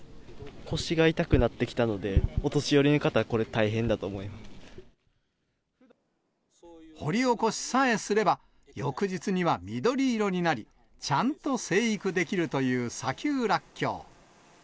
腰が痛くなってきたので、お年寄りの方はこれ、掘り起こしさえすれば、翌日には緑色になり、ちゃんと生育できるという砂丘らっきょう。